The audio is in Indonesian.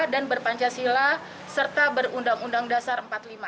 dan berpancasila serta berundang undang dasar empat puluh lima